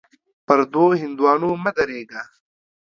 پر دوو هندوانو مه درېږه.